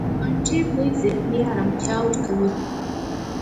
د مالټې بوی ذهني آرامتیا ورکوي.